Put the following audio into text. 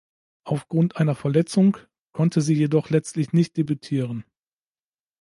Aufgrund einer Verletzung konnte sie jedoch letztlich nicht debütieren.